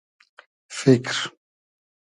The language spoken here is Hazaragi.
فیکر